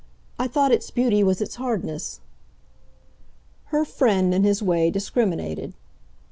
I thought its beauty was its hardness." Her friend, in his way, discriminated.